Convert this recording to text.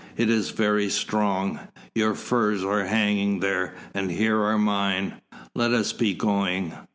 It is very strong. Your furs are hanging there, and here are mine. Let us be going."